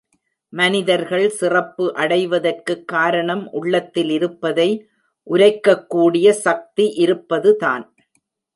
மனிதர்கள் சிறப்பு அடைவதற்குக் காரணம் உள்ளத்தில் இருப்பதை உரைக்கக் கூடிய சக்தி இருப்பதுதான்.